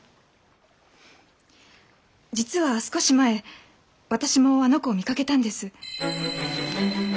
実は少し前私もあの子を見かけたんです。